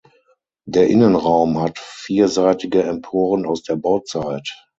Der Innenraum hat vierseitige Emporen aus der Bauzeit.